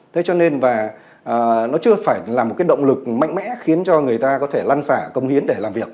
thế cho nên và nó chưa phải là một cái động lực mạnh mẽ khiến cho người ta có thể lăn xả công hiến để làm việc